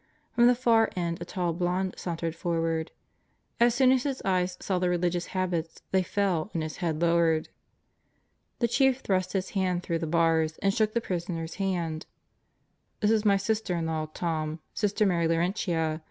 From the far end a tall blonde sauntered forward. As soon as his eyes saw the religious habits they fell and his head lowered. The Chief thrust his hand through the bars and shook the prisoner's hand. "This is my sister in law, Tom, Sister Mary Laurentia.